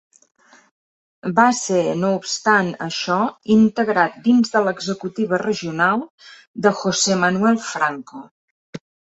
Va ser no obstant això integrat dins de l'executiva regional de José Manuel Franco.